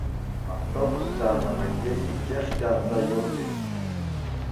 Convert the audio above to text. Автобус чарӑнӑвӗнче иккӗш те анса юлчӗҫ.